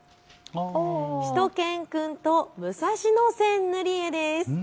しゅと犬くんと武蔵野線塗り絵です。